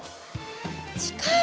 近い！